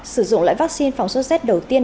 sử dụng loại vaccine phòng số z đầu tiên